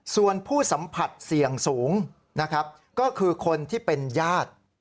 ส่วนผู้สัมผัสเสี่ยงสูงนะครับก็คือคนที่เป็นญาติ